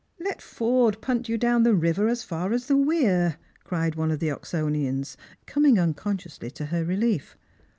" Let Forde punt you down the river as far as the weir," cried one of the Oxonians, coming unconsciously to her relief.